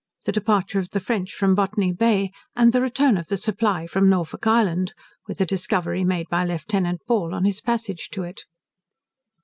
The Departure of the French from Botany Bay; and the Return of the 'Supply' from Norfolk Island; with a Discovery made by Lieutenant Ball on his Passage to it.